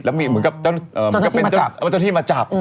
แล้วมีเหมือนกับเจ้าหน้าที่มาจับ